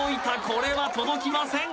これは届きません